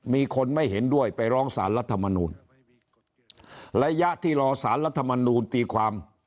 มีคนไม่เห็นด้วยไปร้องสารรัฐมนูลระยะที่รอสารรัฐมนูลตีความ